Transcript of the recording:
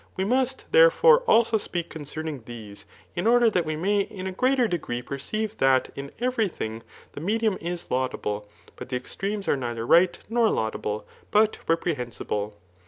We must, therefore, also speak concerning these, in order that we may in a greater de gree perceive, that in every thing the medium is laudable, but the extremes are neither right nor laudable, but reprehensible.